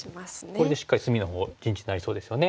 これでしっかり隅のほう陣地になりそうですよね。